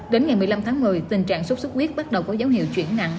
đến ngày một mươi năm tháng một mươi tình trạng sốt xuất huyết bắt đầu có dấu hiệu chuyển nặng